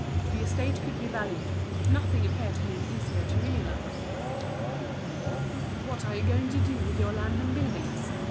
The estate could be valued, nothing appeared to him easier to realize. "What are you going to do with your land and buildings?"